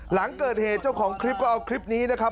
หลังเกิดเหตุเจ้าของคลิปก็เอาคลิปนี้นะครับ